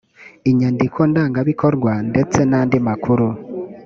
inyandiko ndangabikorwa ndetse n andi makuru